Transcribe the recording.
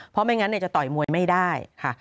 เพราะไม่งั้นจะต่อยมวยไม่ได้ค่ะ